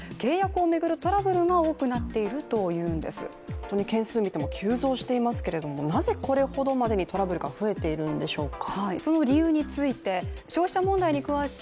本当に件数を見ても急増していますけれども、なぜこれほどまでにトラブルが増えているんでしょうか。